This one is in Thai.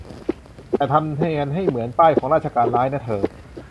แต่ทำเนียนให้เหมือนป้ายของราชการ ร้ายนะเธอ